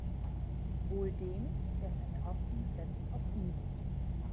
Wohl dem, der seine Hoffnung setzt auf ihn!